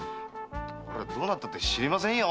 どうなったって知りませんよ！